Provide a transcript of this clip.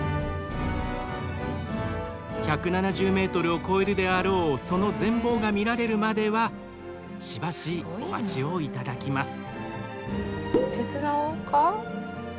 １７０ｍを超えるであろうその全貌が見られるまではしばしお待ちを頂きます。